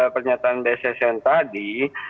pernyataan dhsn tadi